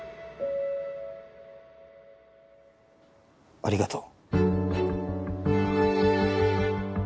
ありがとう。